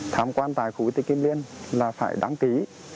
thăm quan tại khu tiết kiêm liên là phải đăng ký một trăm linh